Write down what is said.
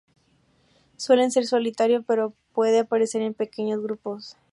Suele ser solitario pero puede aparecer en pequeños grupos.